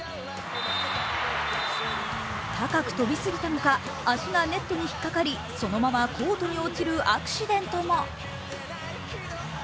高く跳びすぎたのか足がネットに引っかかりそのままコートに落ちるアクシデントも。